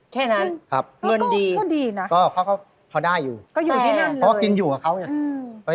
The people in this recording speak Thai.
แค่นั้นเงินดีเพราะเขาได้อยู่แต่ก็กินอยู่กับเขาเนี่ย